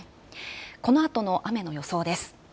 このあとの雨の予想です。